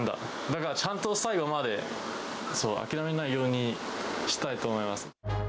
だから、ちゃんと最後まで諦めないようにしたいと思います。